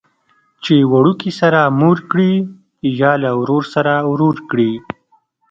چې وړوکي سره مور کړي یا له ورور سره ورور کړي.